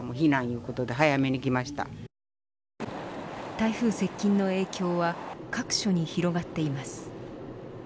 台風接近の影響は各所に広がっています。